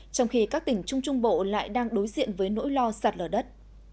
trong khi các tỉnh trung trung bộ lại đang đối diện với nỗi lo sạt lở đất